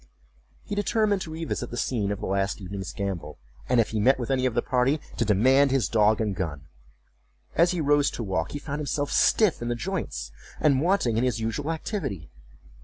He determined to revisit the scene of the last evening's gambol, and if he met with any of the party, to demand his dog and gun. As he rose to walk, he found himself stiff in the joints, and wanting in his usual activity.